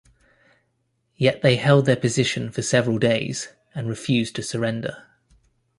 Yet they held their position for several days and refused to surrender.